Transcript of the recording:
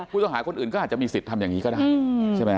ผู้ต้องหาคนอื่นก็อาจจะมีสิทธิ์ทำอย่างงี้ก็ได้อืมใช่ไหมฮะ